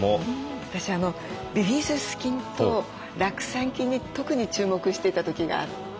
私ビフィズス菌と酪酸菌に特に注目していた時があって。